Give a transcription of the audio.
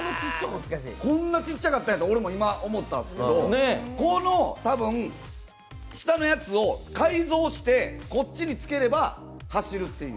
こんなちっちゃかったんやと今、思ったんですけど、多分この下のやつを改造してこっちにつければ走るっていう。